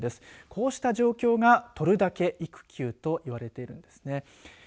こうした状況がとるだけ育休と言われているんですね。